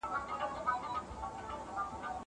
زه له سهاره سندري اورم!